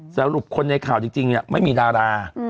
สรุปคนในข่าวจริงไม่มีดารา